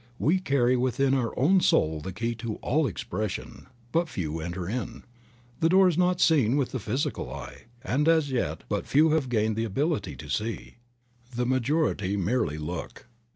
We carry within our own soul the key to all expression, but few enter in. The door is not seen with the physical eye, and as yet but few have gained the ability to see ; the majority merely look.